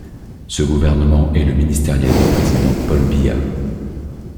Ce gouvernement est le ministériel du président Paul Biya.